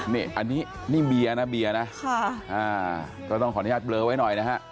นี่อันนี้นี่เบียร์นะเบียร์นะก็ต้องขออนุญาตเบลอไว้หน่อยนะฮะ